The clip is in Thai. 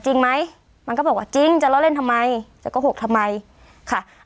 จริงไหมมันก็บอกว่าจริงจะล้อเล่นทำไมจะโกหกทำไมค่ะ